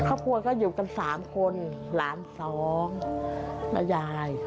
ครอบครัวก็อยู่กัน๓คนหลาน๒แม่ยาย